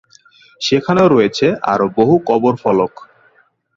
সেখানেও রয়েছে আরো বহু কবর ফলক।